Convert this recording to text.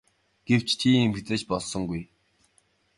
Гэвч тийм юм хэзээ ч болсонгүй.